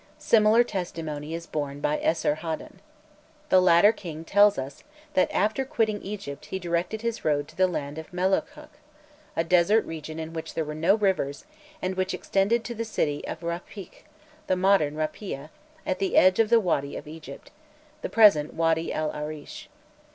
Similar testimony is borne by Esar haddon. The latter king tells us that after quitting Egypt he directed his road to the land of Melukhkha, a desert region in which there were no rivers, and which extended "to the city of Rapikh" (the modern Raphia) "at the edge of the wadi of Egypt" (the present Wadi El Arîsh).